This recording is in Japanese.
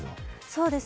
そうです。